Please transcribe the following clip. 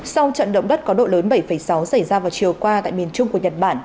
sau trận động đất có độ lớn bảy sáu xảy ra vào chiều qua tại miền trung của nhật bản